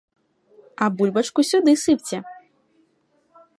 А бульбачку сюды сыпце!